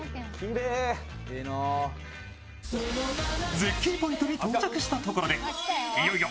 絶景ポイントに到着したところでいよいよ